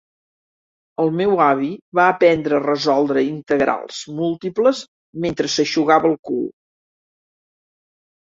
El meu avi va aprendre a resoldre integrals múltiples mentre s'eixugava el cul